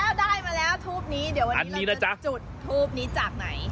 ถ้าได้มาแล้วทูปนี้เดี๋ยววันนี้นะจ๊ะจุดทูปนี้จากไหน